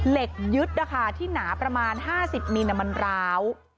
เหล็กยึดนะคะที่หนาประมาณ๕๐มิลมันร้าว